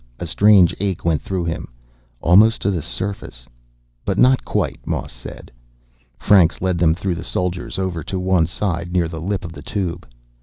A strange ache went through him. "Almost to the surface." "But not quite," Moss said. Franks led them through the soldiers, over to one side, near the lip of the Tube.